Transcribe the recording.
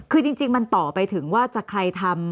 คือจริงมันต่อไปถึงว่าจะใครทำ